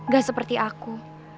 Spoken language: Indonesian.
gak seperti aku